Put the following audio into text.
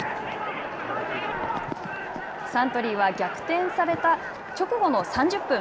サントリーは逆転された直後の３０分。